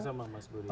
sama sama mas budi